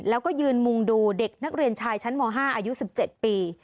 แล้วก็ยืนมุงดูเด็กนักเรียนชายชั้นม๕อายุ๑๗ปี